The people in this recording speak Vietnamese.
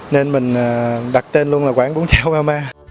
nên mình đặt tên luôn là quán bún chả obama